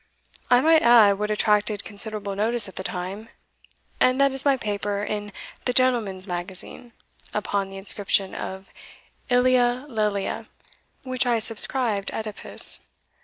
I might add, what attracted considerable notice at the time, and that is my paper in the Gentleman's Magazine, upon the inscription of OElia Lelia, which I subscribed OEdipus.